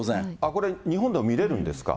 これ日本でも見れるんですか？